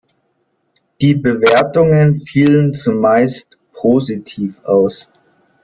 Die Bewertungen fielen zumeist positiv aus.